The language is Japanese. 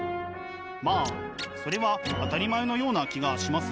まあそれは当たり前のような気がしますよね。